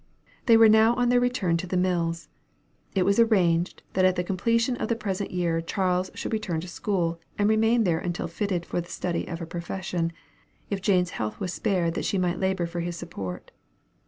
They were now on their return to the mills. It was arranged that at the completion of the present year Charles should return to school, and remain there until fitted for the study of a profession, if Jane's health was spared that she might labor for his support.